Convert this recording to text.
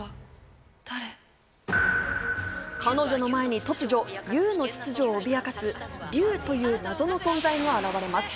彼女の前に突如、Ｕの秩序を脅かす竜という謎の存在が現れます。